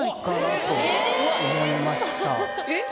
えっ？